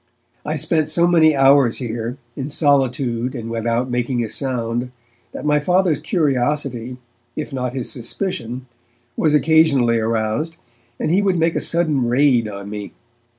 I spent so many hours here, in solitude and without making a sound, that my Father's curiosity, if not his suspicion, was occasionally aroused, and he would make a sudden raid on me.